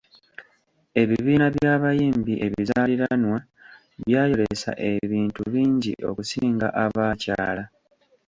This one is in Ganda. Ebibinja by'abayimbi ebizaaliranwa byayolesa ebintu bingi okusinga abaakyala.